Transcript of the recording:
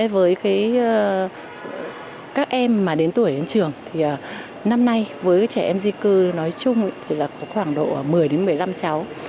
với các em mà đến tuổi đến trường thì năm nay với trẻ em di cư nói chung thì có khoảng độ một mươi một mươi năm cháu